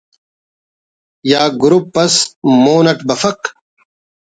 یا گروپ اس مون اٹ بفک